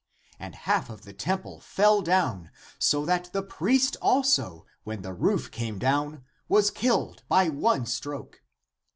And half of the temple fell down, so that the priest also, when the roof came down, was killed by one stroke.